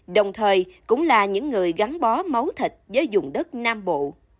đồng thời cũng là những người gắn bó máu thịt với dùng đất nam bộ